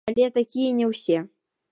Але такія не ўсе.